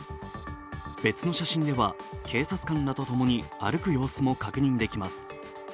別の写真では警察官らと歩く姿も確認できます。